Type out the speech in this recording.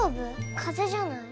風邪じゃない？